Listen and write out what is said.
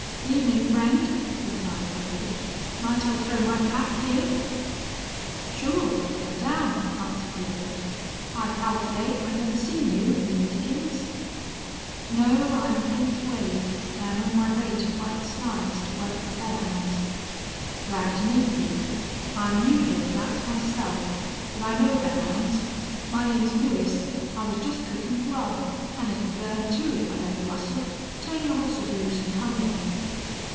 "Evenin', friend," replied Wade. "Might I throw my pack here?" "Sure. Get down," answered the other. "I calkilate I never seen you in these diggin's." "No. I'm Bent Wade, an' on my way to White Slides to work for Belllounds." "Glad to meet you. I'm new hereabouts, myself, but I know Belllounds. My name's Lewis. I was jest cookin' grub. An' it'll burn, too, if I don't rustle. Turn your hosses loose an' come in."